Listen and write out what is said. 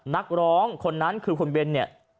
นักร้องคนนั้นคือคุณเบนเนี่ย